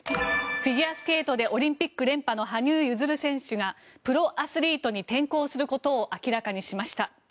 フィギュアスケートでオリンピック連覇の羽生結弦選手がプロアスリートに転向することを明らかにしました。